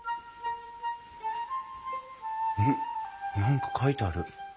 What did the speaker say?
何か書いてある。